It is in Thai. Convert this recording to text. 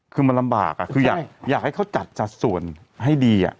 คือมันลำบากอะอยากให้เขาจัดส่วนให้ดีอะ